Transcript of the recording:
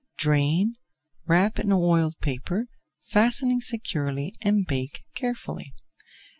Drain, wrap in oiled paper, fastening securely, and bake carefully.